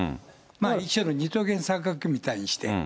一種の、二等辺三角形みたいにして。